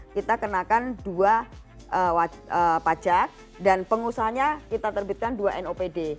kita kenakan dua pajak dan pengusahanya kita terbitkan dua nopd